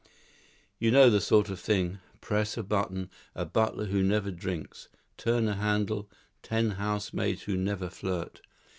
You know the sort of thing: 'Press a Button A Butler who Never Drinks.' 'Turn a Handle Ten Housemaids who Never Flirt.